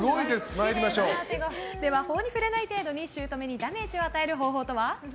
法に触れない程度に姑にダメージを与える方法とは？